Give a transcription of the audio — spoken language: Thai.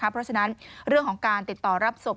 เพราะฉะนั้นเรื่องของการติดต่อรับศพ